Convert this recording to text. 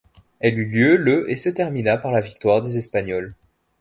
Elle eut lieu le et se termina par la victoire des Espagnols.